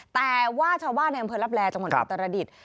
แต่ว่าชาวบ้านในอำเภอลับแลจังหวัดอุตรดิษฐ์